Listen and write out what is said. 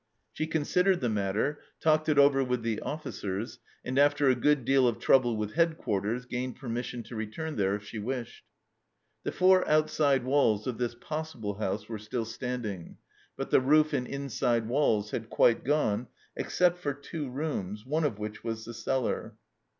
She considered the matter, talked it over with the officers, and after a good deal of trouble with Headquarters, gained permission to return there if she wished. The four outside walls of this " possible " house were still standing, but the roof and inside walls had quite gone, except for two rooms, one of which was the cellar.